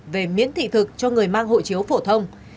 về miễn thị thực cho người mang hộ chiếu phổ thông